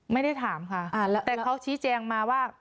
ไม่ได้ถามค่ะแต่เขาชี้แจงมาว่า